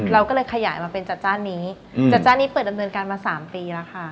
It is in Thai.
เราก็เลยขยายมาเป็นจัดจ้านนี้จัดจ้านนี้เปิดดำเนินการมา๓ปีแล้วค่ะ